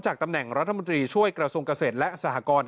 ตำแหน่งรัฐมนตรีช่วยกระทรวงเกษตรและสหกร